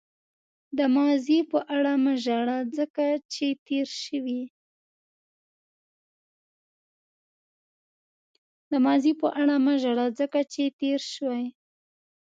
د ماضي په اړه مه ژاړه ځکه چې تېر شوی.